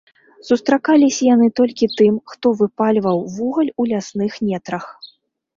Сустракаліся яны толькі тым, хто выпальваў вугаль у лясных нетрах.